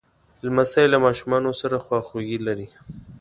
لمسی له ماشومانو سره خواخوږي لري.